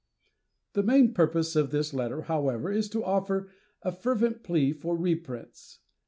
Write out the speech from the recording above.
The main purpose of this letter, however, is to offer a fervent plea for reprints.